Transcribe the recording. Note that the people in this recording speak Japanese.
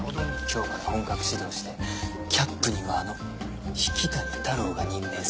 今日から本格始動してキャップにはあの引谷太郎が任命されたとか。